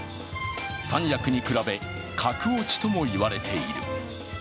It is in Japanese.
三役に比べ、格落ちとも言われている。